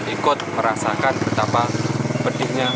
ikut merasakan betapa pedihnya